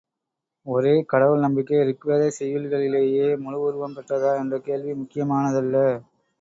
ஒரே கடவுள் நம்பிக்கை ரிக்வேதச் செய்யுள்களிலேயே முழு உருவம் பெற்றதா என்ற கேள்வி முக்கியமானதல்ல.